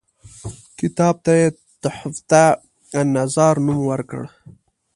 کتاب ته یې تحفته النظار نوم ورکړ.